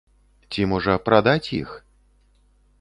Ці, можа, прадаць іх?